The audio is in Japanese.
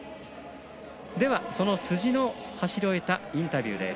その辻の走り終えたインタビューです。